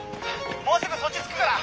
もうすぐそっち着くから。